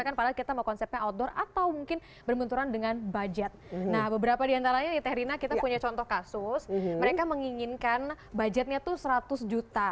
nah beberapa di antaranya di teherina kita punya contoh kasus mereka menginginkan budgetnya tuh seratus juta